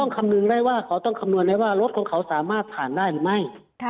เขาจะต้องคำนวณได้ว่ารถของเขาสามารถผ่านได้หรือไม่